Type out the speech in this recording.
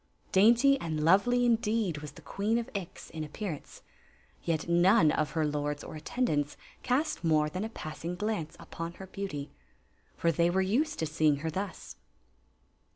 Dainty and lovely, indeed, was the Queen of Ix in appearance; yet none of her lords or attendants cast more than a passing glance upon her beauty. For tliey were used to seeing her thus.